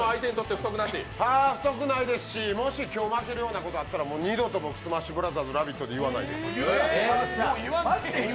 不足ないし、もし今日負けるようなことがあったらもし今日負けるようなことがあったら、もう二度と、「スマッシュブラザーズ」って「ラヴィット！」で言わないです。